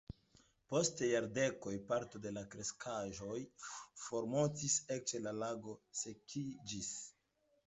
Post jardekoj parto de la kreskaĵoj formortis, eĉ la lago sekiĝis.